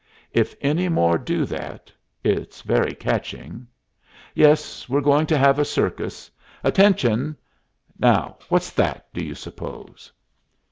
If any more do that it's very catching Yes, we're going to have a circus. Attention! Now what's that, do you suppose?"